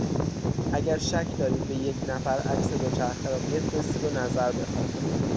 اگر شک دارید به یک نفر عکس دوچرخه را بفرستید و نظر بخواهید.